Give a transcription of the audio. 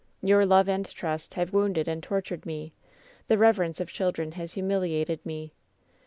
Your love and trust have wounded and tor tured me ; the reverence of children has humiliated me.